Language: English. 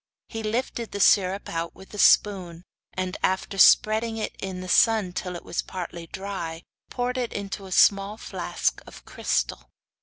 He lifted the syrup out with a spoon, and after spreading it in the sun till it was partly dry, poured it into a small flask of crystal.